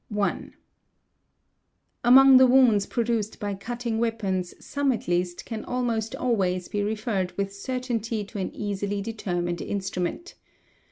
| 1. Among the wounds produced by cutting weapons some at east can almost always be referred with certainty to an easily deter nined instrument.